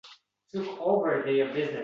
Judayam farosatsiz ekan